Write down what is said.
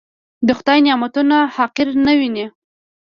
د خدای نعمتونه حقير نه وينئ.